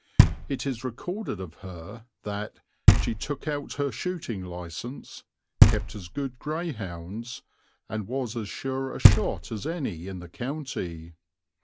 It is recorded of her that "she took out her shooting license, kept as good greyhounds, and was as sure a shot as any in the county."